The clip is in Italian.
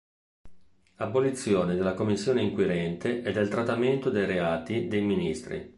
Abolizione della commissione inquirente e del trattamento dei reati dei Ministri.